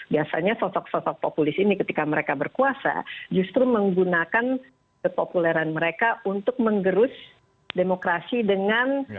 biasanya sosok sosok populis ini ketika mereka berkuasa justru menggunakan kepopuleran mereka untuk menggerus demokrasi dengan